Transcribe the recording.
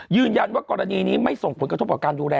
ยืนยันว่ากรณีนี้ไม่ส่งผลกระทบต่อการดูแล